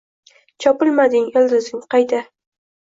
chopilmading, ildizing qayda?!